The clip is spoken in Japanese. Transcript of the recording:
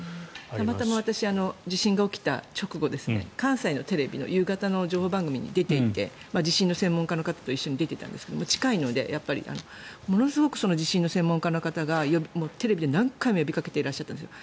たまたま地震が起きた直後関西のテレビの夕方の情報番組に出ていて地震の専門家の方と一緒に出ていたんですが、近いのでものすごく地震の専門家の方がテレビで何回も呼びかけていらっしゃったんですよ。